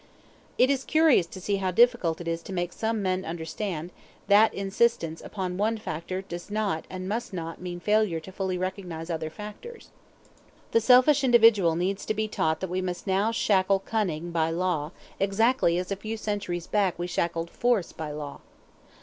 It is curious to see how difficult it is to make some men understand that insistence upon one factor does not and must not mean failure fully to recognize other factors. The selfish individual needs to be taught that we must now shackle cunning by law exactly as a few centuries back we shackled force by law.